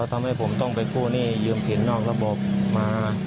ทำให้ผมต้องไปกู้หนี้ยืมสินนอกระบบมา